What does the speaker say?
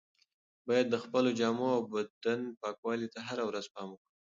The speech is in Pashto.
باید د خپلو جامو او بدن پاکوالي ته هره ورځ پام وکړو.